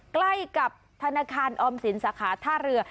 ใกล้กับธนาคารออมสินสาขาท่าเรือ